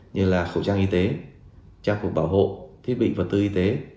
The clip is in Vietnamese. như khẩu trang y tế trang phục bảo hộ thiết bị và tư y tế